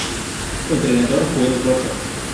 Entrenador: Joel Rocha